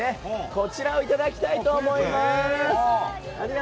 こちらをいただきたいと思います。